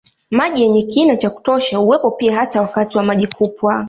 Maji yenye kina cha kutosha huwepo pia hata wakati wa maji kupwa